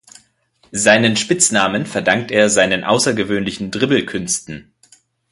Seinen Spitznamen verdankt er seinen außergewöhnlichen Dribble-Künsten.